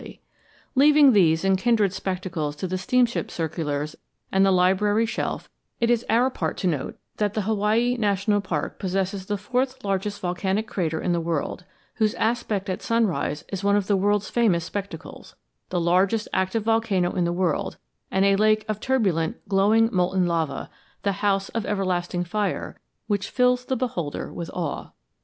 [Illustration: MAP OF HAWAII NATIONAL PARK] Leaving these and kindred spectacles to the steamship circulars and the library shelf, it is our part to note that the Hawaii National Park possesses the fourth largest volcanic crater in the world, whose aspect at sunrise is one of the world's famous spectacles, the largest active volcano in the world, and a lake of turbulent, glowing, molten lava, "the House of Everlasting Fire," which fills the beholder with awe.